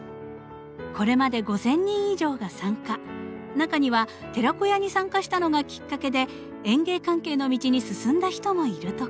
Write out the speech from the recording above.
中には寺子屋に参加したのがきっかけで園芸関係の道に進んだ人もいるとか。